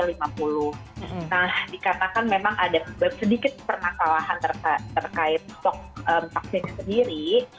nah dikatakan memang ada sedikit permasalahan terkait stok vaksin sendiri